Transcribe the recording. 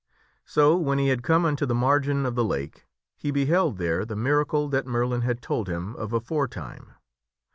So when he had come unto the margin of the lake he beheld there the miracle that Merlin had told him of aforetime.